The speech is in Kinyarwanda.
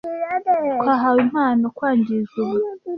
twahawe impano Kwangiza ubu